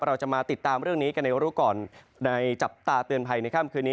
เราจะมาติดตามเรื่องนี้กันในรู้ก่อนในจับตาเตือนภัยในค่ำคืนนี้